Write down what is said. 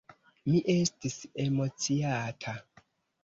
Mi estis emociata.